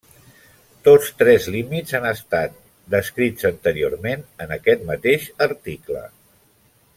Tots tres límits han estat descrits anteriorment en aquest mateix article.